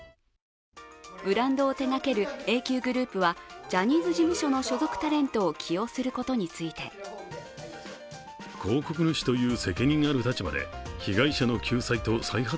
ブランドを手がけるＡＱグループは、ジャニーズ事務所の所属タレントを起用することについてとコメントしています。